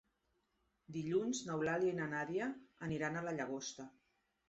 Dilluns n'Eulàlia i na Nàdia aniran a la Llagosta.